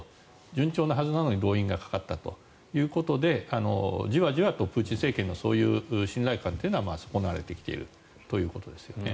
順調なはずなのに動員がかかったということでじわじわとプーチン政権のそういう信頼感というのは損なわれてきているということですよね。